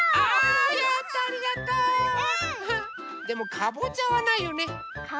でもかぼちゃはないよね。